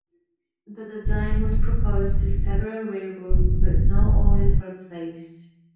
The design was proposed to several railroads, but no orders were placed.